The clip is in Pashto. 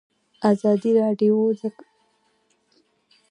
ازادي راډیو د بیکاري د تحول لړۍ تعقیب کړې.